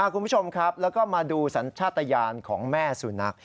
คุณผู้ชมครับแล้วก็มาดูสัญชาติยานของแม่สุนัข